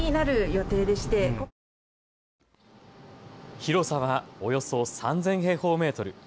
広さはおよそ３０００平方メートル。